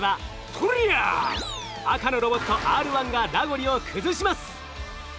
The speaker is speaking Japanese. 赤のロボットＲ１がラゴリを崩します。